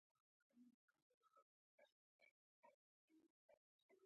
دا د پښتنو د هنر پنځونې تر ټولو اسانه او ښایسته وخت دی.